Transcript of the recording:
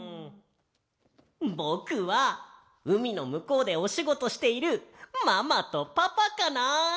ぼくはうみのむこうでおしごとしているママとパパかな。